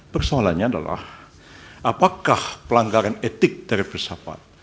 persoalannya adalah apakah pelanggaran etik dari filsafat